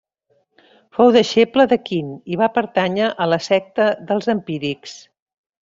Fou deixeble de Quint i va pertànyer a la secta dels empírics.